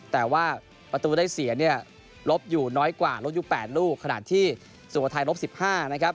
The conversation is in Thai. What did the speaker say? แต่ว่าประตูได้เสียเนี่ยลบอยู่น้อยกว่าลบอยู่๘ลูกขณะที่สุโขทัยลบ๑๕นะครับ